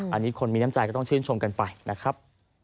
อันนี้คนมีน้ำใจก็ต้องชื่นชมกันไปนะครับ